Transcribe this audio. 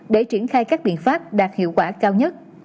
để triển khai các biện pháp đạt hiệu quả cao nhất